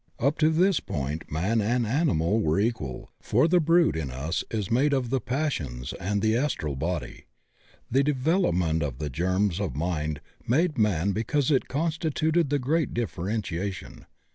Up to this point man and animal were equal, for the brute in us is made of the passions and the astral body. The development of the germs of Mind made man because it constituted the great differentia tion.